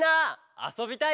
あそびたい！